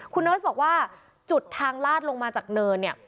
คุณเนิร์สบอกว่าจุดทางลาดลงมาจากเนินเนี่ย